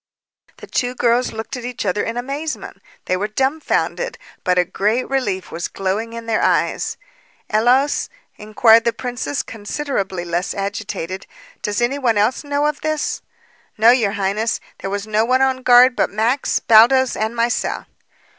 The two girls looked at each other in amazement. They were dumbfounded, but a great relief was glowing in their eyes. "Ellos," inquired the princess, considerably less agitated, "does any one else know of this?" "No, your highness, there was no one on guard but Max, Baldos, and myself."